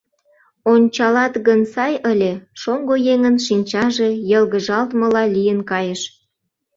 — Ончалат гын, сай ыле, — шоҥго еҥын шинчаже йылгыжалтмыла лийын кайыш.